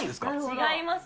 違いますよ。